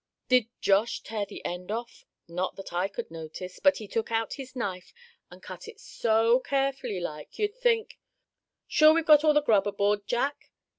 Did Josh tear the end off? Not that I could notice; but he took out his knife, and cut it so carefully like, you'd think " "Sure we've got all the grub aboard, Jack?"